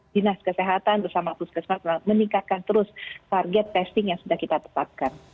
dinas kesehatan bersama puskesmas meningkatkan terus target testing yang sudah kita tetapkan